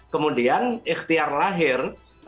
kemudian ikhtiar lahir